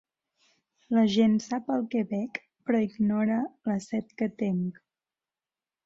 La gent sap el que bec, però ignora la set que tenc.